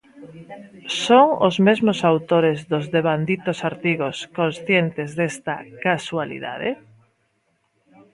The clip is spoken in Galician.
Son os mesmos autores dos devanditos artigos conscientes desta "casualidade"?